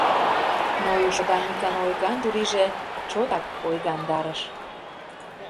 Нойышо Даникын ойган чурийже чотак ойгандарыш.